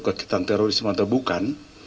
kegiatan terorisme atau bukan